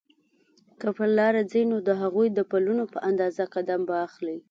که پر لاره ځې نو د هغوی د پلونو په اندازه قدم به اخلې.